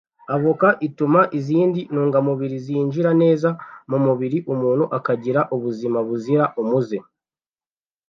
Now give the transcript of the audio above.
Avoka ituma izindi ntungamubiri zinjira neza mu mubiri umuntu akagira ubuzima buzira umuze